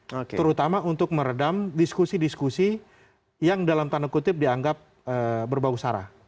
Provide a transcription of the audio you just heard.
terutama untuk meredam diskusi diskusi yang dalam tanda kutip dianggap berbau sara